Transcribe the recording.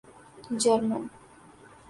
German